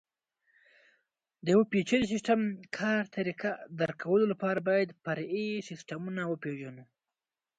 د یوه پېچلي سیسټم کار طریقه درک کولو لپاره باید فرعي سیسټمونه وپېژنو.